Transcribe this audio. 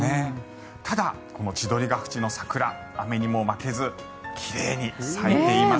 ただ、この千鳥ヶ淵の桜雨にも負けず奇麗に咲いています。